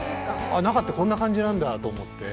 中ってこんな感じなんだと思って。